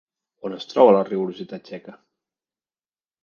On es troba la rigorositat txeca?